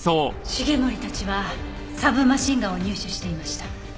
繁森たちはサブマシンガンを入手していました。